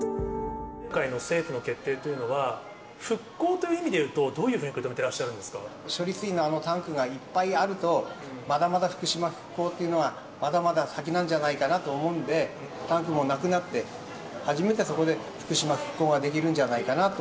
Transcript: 今回の政府の決定というのは、復興という意味でいうと、どういうふうに受け止めていらっしゃる処理水のあのタンクがいっぱいあると、まだまだ福島復興というのは、まだまだ先なんじゃないかなと思うんで、タンクもなくなって、初めてそこで福島復興ができるんじゃないかなと。